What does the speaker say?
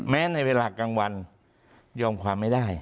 ในเวลากลางวันยอมความไม่ได้